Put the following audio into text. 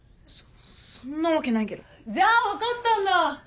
そそんなわけないけど。じゃあ分かったんだ！